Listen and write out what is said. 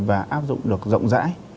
và áp dụng được rộng rãi